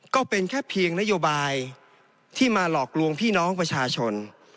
ก็เป็นแค่เพียงนโยบายที่มาหลอกลวงพี่น้องประชาชน